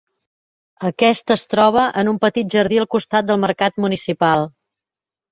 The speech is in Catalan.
Aquest es troba a un petit jardí al costat del mercat municipal.